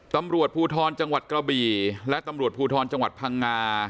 ธภูทรจังหวัดกระบีและธภูทรจังหวัดพังงา